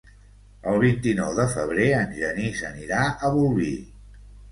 El vint-i-nou de febrer en Genís anirà a Bolvir.